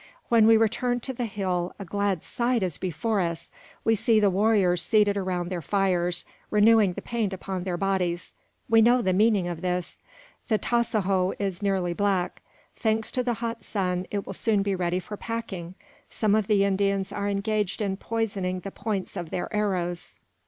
When we return to the hill a glad sight is before us. We see the warriors seated around their fires, renewing the paint upon their bodies. We know the meaning of this. The tasajo is nearly black. Thanks to the hot sun, it will soon be ready for packing! Some of the Indians are engaged in poisoning the points of their arrows.